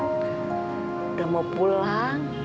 udah mau pulang